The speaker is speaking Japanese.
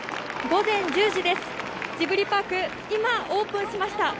午前１０時です、ジブリパーク、今、オープンしました。